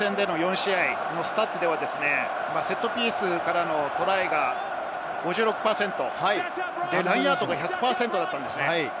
アイルランドのプール戦４試合のスタッツではセットピースからのトライが５６％、ラインアウトが１００％だったんです。